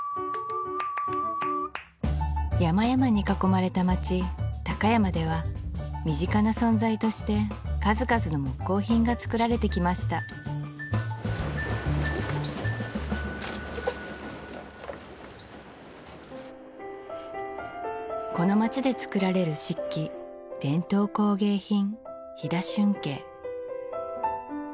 山々に囲まれた町高山では身近な存在として数々の木工品が作られてきましたこの町で作られる漆器伝統工芸品飛騨春慶